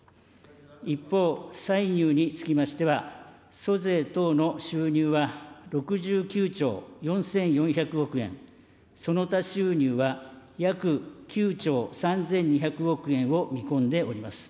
一方、歳入につきましては、租税等の収入は６９兆４４００億円、その他収入は約９兆３２００億円を見込んでおります。